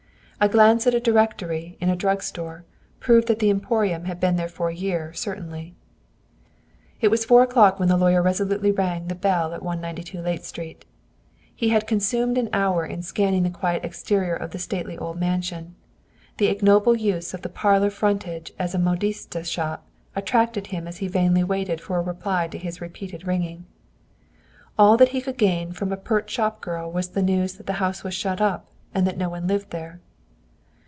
A glance at a Directory, in a drug store, proved that the Emporium had been there for a year, certainly. It was four o'clock when the lawyer resolutely rang, the bell at No. 192 Layte Street. He had consumed an hour in scanning the quiet exterior of the stately old mansion. The ignoble use of the parlor frontage as a modiste's shop, attracted him as he vainly waited for a reply to his repeated ringing. All that he could gain from a pert shop girl was the news that the house was shut up, and that no one lived there.